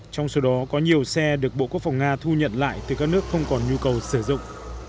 trong số đó có nhiều xe được bộ quốc phòng nga thu nhận lại từ các nước không còn nhu cầu sử dụng